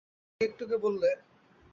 যেটা তুমি একটু আগে বললে?